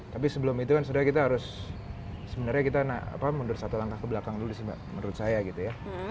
tapi sebelum itu kan sudah kita harus sebenarnya kita mundur satu langkah ke belakang dulu sih mbak menurut saya gitu ya